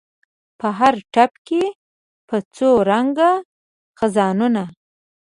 په هر ټپ کې په څو رنګه خزانونه